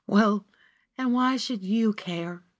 "Well, and why should you care?"